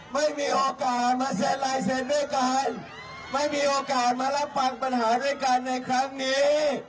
ไม่มีโอกาสมาเซ็นลายเซ็นต์ด้วยกันไม่มีโอกาสมารับฟังปัญหาด้วยกันในครั้งนี้